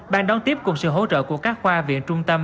ban đón tiếp cùng sự hỗ trợ của các khoa viện trung tâm